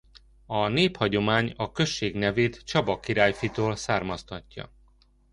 A néphagyomány a község nevét Csaba királyfitól származtatja.